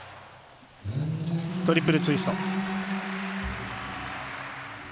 トリプルツイスト。